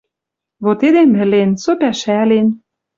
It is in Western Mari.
Вет эдем ӹлен, со пӓшӓлен